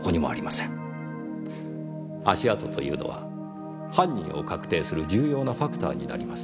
足跡というのは犯人を確定する重要なファクターになります。